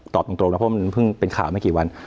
ตอบตรงตรงนะครับเพราะมันเพิ่งเป็นข่าวมากี่วัน